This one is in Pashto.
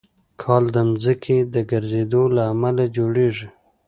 کال د ځمکې د ګرځېدو له امله جوړېږي.